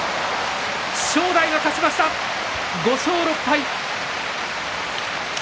正代が勝ちました、５勝６敗。